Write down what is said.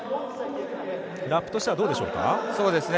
ラップとしてはどうでしょうか。